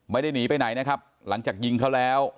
ไม่ได้หนีไปไหนนะครับหลังจากยิงเขาแล้ว